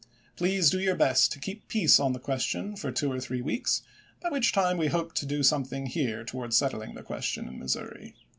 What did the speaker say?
Please do your best to keep *jan!^!' peace on the question for two or three weeks, by \t\'. xxil; which time we hope to do something here towards Part II • p. 30. " settling the question in Missouri."